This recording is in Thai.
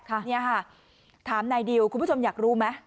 นี่ค่ะถามนายดิวคุณผู้ชมอยากรู้ไหม